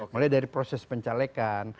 mulai dari proses pencalekan